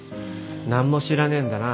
何も知らねえんだな。